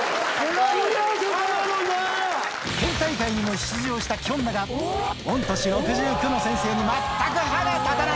県大会にも出場したきょんだが、御年６９の先生に全く歯が立たない。